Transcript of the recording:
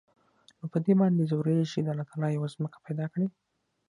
نو په دې باندې ځوريږي چې د الله تعال يوه ځمکه پېدا کړى.